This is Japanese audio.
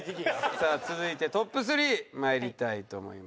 さあ続いてトップ３まいりたいと思います。